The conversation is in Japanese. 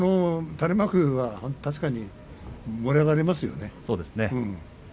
垂れ幕は確かに盛り上がりますよね。